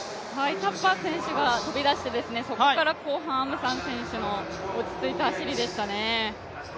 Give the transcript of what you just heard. タッパー選手が飛び出して、そこから後半、アムサン選手が落ち着いた走りでしたね。